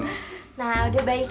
nah udah baikan kan pak